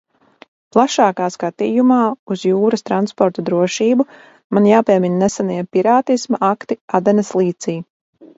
Plašākā skatījumā uz jūras transporta drošību man jāpiemin nesenie pirātisma akti Adenas līcī.